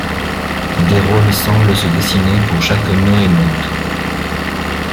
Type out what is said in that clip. Des rôles semblent se dessiner pour chaque NoéNaute.